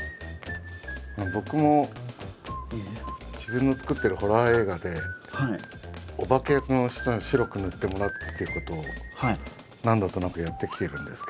僕も自分の作ってるホラー映画でお化け役の人に白く塗ってもらうっていうことを何度となくやってきてるんですけれども。